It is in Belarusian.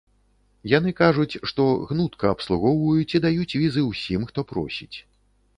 Яны кажуць, што гнутка абслугоўваюць і даюць візы ўсім, хто просіць.